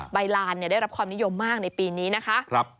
ลานได้รับความนิยมมากในปีนี้นะคะ